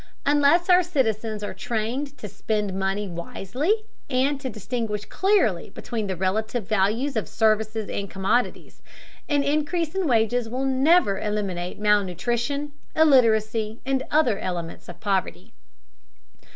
Unless our citizens are trained to spend money wisely, and to distinguish clearly between the relative values of services and commodities, an increase in wages will never eliminate malnutrition, illiteracy, and other elements of poverty.